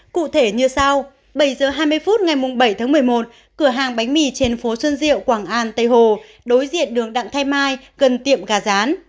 cụ thể như sau bảy giờ hai mươi phút ngày bảy tháng một mươi một cửa hàng bánh mì trên phố xuân diệu quảng an tây hồ đối diện đường đặng thái mai gần tiệm gà rán